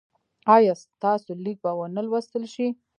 ایا ستاسو لیک به و نه لوستل شي؟